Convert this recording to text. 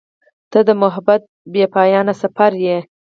• ته د محبت بېپایانه سفر یې.